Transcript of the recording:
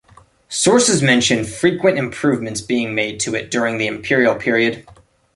Sources mention frequent improvements being made to it during the imperial period.